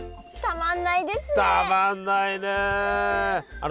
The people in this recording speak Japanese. たまんないね！